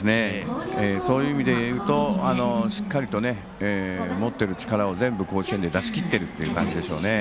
そういう意味でいうとしっかりと持っている力を全部、甲子園で出しきっているっていう感じでしょうね。